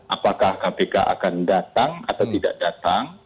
apakah kpk akan datang atau tidak datang